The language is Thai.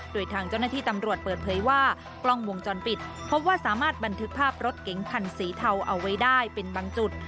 โดยทางเจ้าหน้าที่ตำรวจเปิดเผยว่ากล้องวงจรปิดพบว่าสามารถบันทึกภาพรถเก๋งคันสีเทาเอาไว้ได้เป็นบางจุด